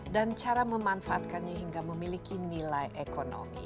dan cara memanfaatkannya hingga memiliki nilai ekonomi